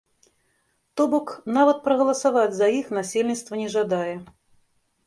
То бок, нават прагаласаваць за іх насельніцтва не жадае.